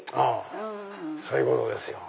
そういうことですよ。